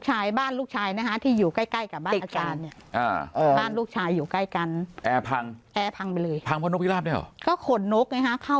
อะไรอย่างเงี้ยมันกะพัน